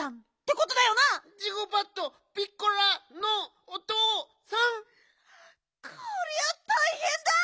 こりゃたいへんだ！